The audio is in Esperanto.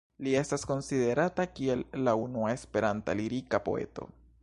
Li estas konsiderata kiel la unua Esperanta lirika poeto.